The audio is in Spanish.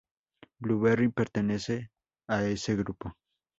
Blueberry pertenece a ese grupo.